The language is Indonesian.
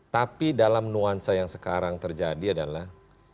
tapi dalam nuansa yang sekarang terjadi adalah